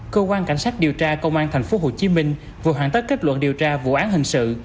công an cảnh sát điều tra công an tp hồ chí minh vừa hoàn tất kết luận điều tra vụ án hình sự